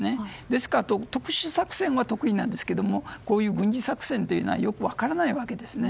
ですから、特殊作戦は得意なんですけどもこういう軍事作戦はよく分からないわけです。